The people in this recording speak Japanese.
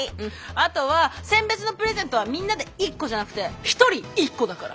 あとは餞別のプレゼントはみんなで１個じゃなくて１人１個だから！